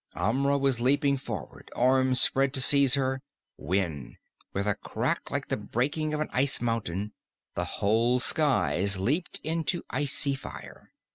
_" Amra was leaping forward, arms spread to seize her, when with a crack like the breaking of an ice mountain, the whole skies leaped into icy fire.